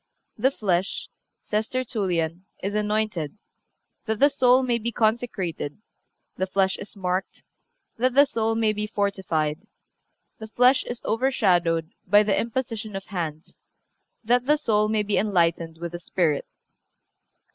"The flesh," says Tertullian, "is anointed, that the soul may be consecrated; the flesh is marked, that the soul may be fortified; the flesh is overshadowed by the imposition of hands, that the soul may be enlightened with the Spirit."